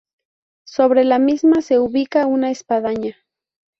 Sobre la misma se ubica una espadaña.